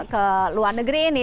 ke luar negeri ini